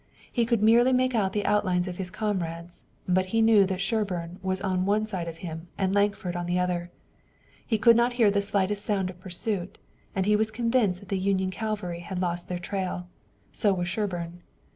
He could merely make out the outlines of his comrades, but he knew that Sherburne was on one side of him and Lankford on the other. He could not hear the slightest sound of pursuit, and he was convinced that the Union cavalry had lost their trail. So was Sherburne.